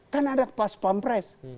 kan ada pas pampres